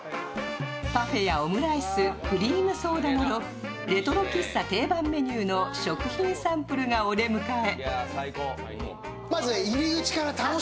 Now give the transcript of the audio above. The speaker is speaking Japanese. パフェやオムライス、クリームソーダなどレトロ喫茶定番メニューの食品サンプルがお出迎え。